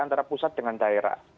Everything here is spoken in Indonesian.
antara pusat dengan daerah